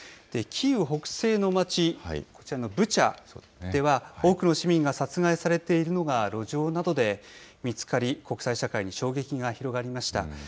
キーウ北西の町、こちらのブチャでは、多くの市民が殺害されているのが路上などで見つかり、国際社会に衝撃が広がりました。